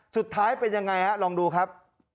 สุดท้ายเป็นยังไงฮะลองดูครับ